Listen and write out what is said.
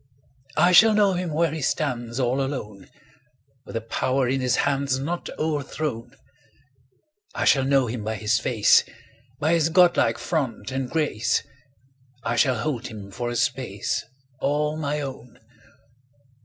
I shall know him where he stands All alone, 10 With the power in his hands Not o'erthrown; I shall know him by his face, By his godlike front and grace; I shall hold him for a space 15 All my own!